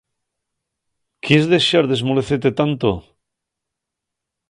¿Quies dexar d'esmolecete tanto?